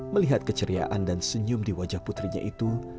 melihat keceriaan dan senyum di wajah putrinya itu